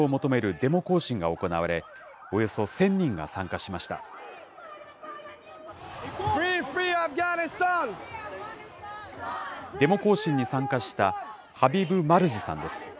デモ行進に参加した、ハビブ・マルジさんです。